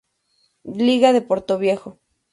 Liga de Portoviejo